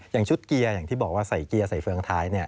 อย่างชุดเกียร์อย่างที่บอกว่าใส่เกียร์ใส่เฟืองท้าย